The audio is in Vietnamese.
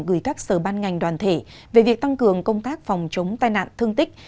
gửi các sở ban ngành đoàn thể về việc tăng cường công tác phòng chống tai nạn thương tích